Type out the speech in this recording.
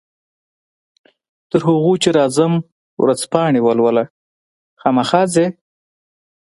تر هغو چې راځم ورځپاڼې ولوله، خامخا ځې؟